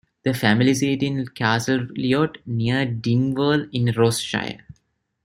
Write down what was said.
The family seat is Castle Leod, near Dingwall in Ross-shire.